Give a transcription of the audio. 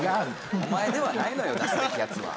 お前ではないのよ出すべきやつは。